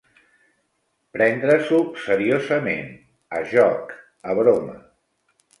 Prendre-s'ho seriosament, a joc, a broma.